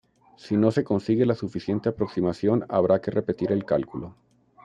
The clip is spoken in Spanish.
Si no se consigue la suficiente aproximación habrá que repetir el cálculo.